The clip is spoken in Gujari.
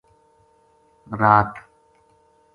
رات